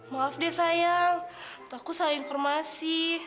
maaf deh sayang takut salah informasi